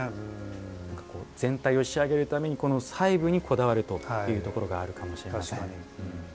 全体を仕上げるために細部にこだわるというところがあるかもしれません。